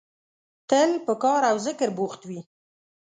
تل په کار او ذکر بوخت وي.